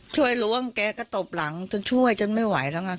ล้วงแกก็ตบหลังจนช่วยจนไม่ไหวแล้วไง